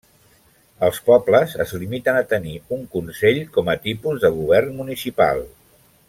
Els pobles es limiten a tenir un consell com a tipus de govern municipal.